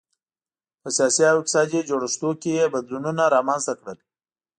په سیاسي او اقتصادي جوړښتونو کې یې بدلونونه رامنځته کړل.